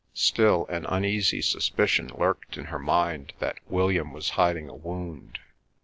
Still, an uneasy suspicion lurked in her mind that William was hiding a wound.